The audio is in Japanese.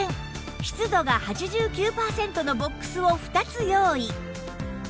湿度が８９パーセントのボックスを２つ用意